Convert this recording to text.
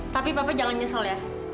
tapi papa jangan nyesel ya